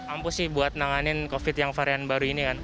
ampuh sih buat nanganin covid yang varian baru ini kan